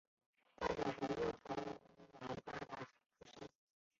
大小和卓又逃往巴达克山。